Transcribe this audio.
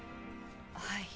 はい。